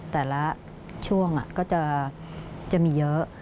แต่ละช่วงก็จะมีเยอะ